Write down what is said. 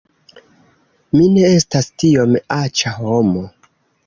Mi ne estas tiom aĉa homo